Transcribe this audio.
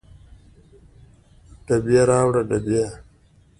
ډبې راوړه ډبې